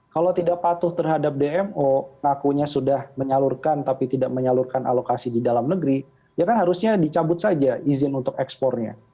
kalau tidak patuh terhadap dmo ngakunya sudah menyalurkan tapi tidak menyalurkan alokasi di dalam negeri ya kan harusnya dicabut saja izin untuk ekspornya